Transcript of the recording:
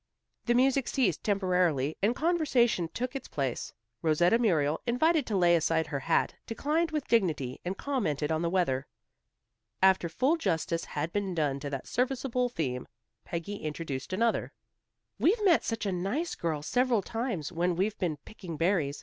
The music ceased temporarily and conversation took its place. Rosetta Muriel, invited to lay aside her hat, declined with dignity and commented on the weather. After full justice had been done to that serviceable theme, Peggy introduced another. "We've met such a nice girl several times when we've been picking berries.